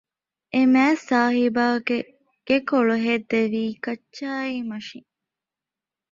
އެމާތްސާހިބާގެ ގެކޮޅު ހެއްދެވީ ކައްޗާ މަށީން